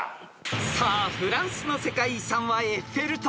［さあフランスの世界遺産はエッフェル塔？